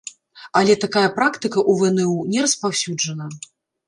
Але такая практыка ў вну не распаўсюджана.